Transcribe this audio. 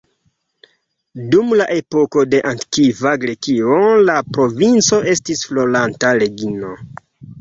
Dum la epoko de antikva Grekio, la provinco estis floranta regno.